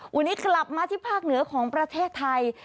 วันนี้กลับมาที่ภาคเหนือของประเทศไทย